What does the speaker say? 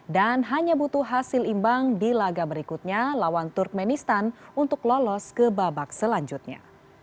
dan hanya butuh hasil imbang di laga berikutnya lawan turkmenistan untuk lolos ke babak selanjutnya